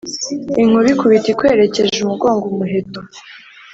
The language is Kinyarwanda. Inkuba ikubita ikwerekeje umugongo. Umuheto.